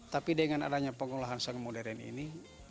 tapi dengan adanya pengolahan sang modern ini